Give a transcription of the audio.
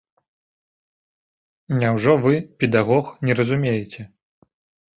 Няўжо вы, педагог, не разумееце?